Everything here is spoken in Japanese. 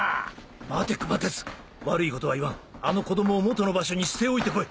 待て熊徹悪いことは言わんあの子供を元の場所に捨て置いて来い。